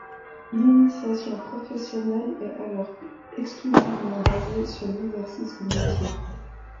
L’initiation professionnelle est alors exclusivement basée sur l’exercice du métier.